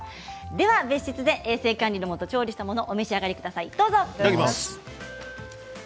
別室で衛生管理のもと調理したものをお召し上がりいただきます。